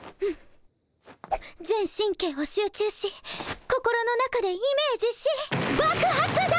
全神経を集中し心の中でイメージし爆発だ！